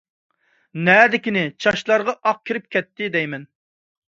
نەدىكىنى، چاچلارغا ئاق كىرىپ كەتتى دەيمەن.